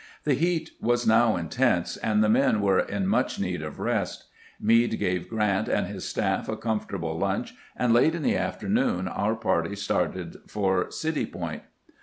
The heat was now intense, and the men were in much need of rest. Meade gave Grant and his staff a comfortable lunch, and late in the after noon our party started for City Point.